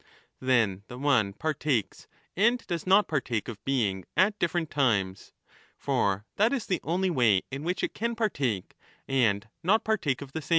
Then the one partakes and does not partake of being at different times, for that is the only way in which it can The one partake and not partake of the same.